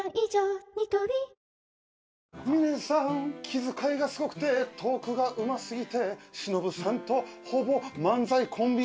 気遣いがすごくてトークがうますぎて」「忍さんとほぼ漫才コンビぐらい」